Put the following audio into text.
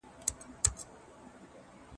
که اذان وکړو نو وخت نه تیریږي.